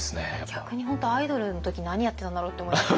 逆に本当アイドルの時何やってたんだろう？って思います。